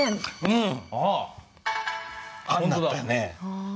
うん。